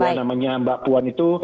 yang namanya mbak puan itu